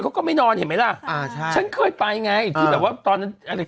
ก็ไม่นอนเห็นไหมล่ะอ่าใช่ฉันเคยไปไงที่แบบว่าตอนนั้นอะไร